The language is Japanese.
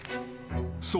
［そう。